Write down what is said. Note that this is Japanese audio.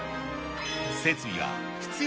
設備は必要